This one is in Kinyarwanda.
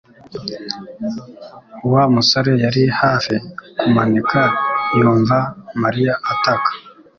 Wa musore yari hafi kumanika yumva Mariya ataka